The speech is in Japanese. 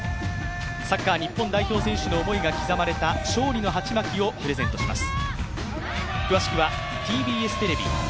サッカー日本代表選手の想いが刻まれた勝利のハチマキをプレゼントします。